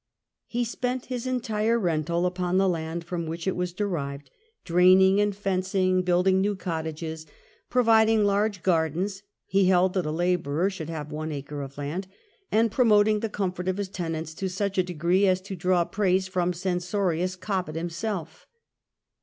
He spent his entire rental upon the land from which it was derived, draining and fencing, build ing new cottages, providing large gardens — he held that a labourer should have one acre of land — and promoting the comfort of his tenants to such a degree as to draw praise from censorious Cobbett himself.